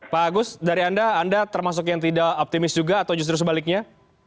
pak agus dari anda anda termasuk yang tidak optimis juga atau justru sebaliknya